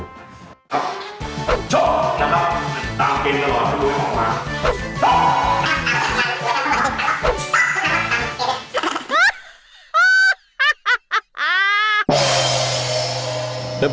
แล้วก็ตามเกณฑ์กันหรอกมันก็ไม่ได้ออกมา